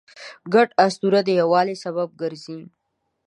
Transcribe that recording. ګډ اسطوره د یووالي سبب ګرځي.